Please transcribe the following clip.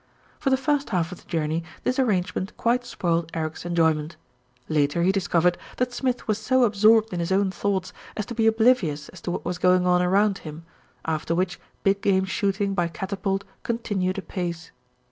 For the first half of the journey this arrangement quite spoiled Eric's enjoyment. Later he discovered that Smith was so absorbed in his own thoughts as to be oblivious to what was going on around him, after which big game shooting by catapult continued apace.